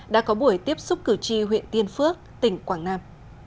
đã có buổi tiếp xúc cử tri huyện tiên phước tỉnh quảng nam